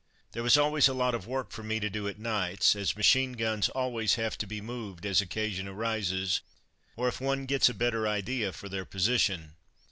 There was always a lot of work for me to do at nights, as machine guns always have to be moved as occasion arises, or if one gets a better idea for their position.